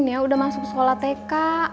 ya udah masuk sekolah tk